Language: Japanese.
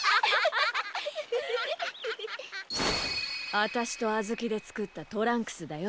あたしとあずきでつくったトランクスだよ。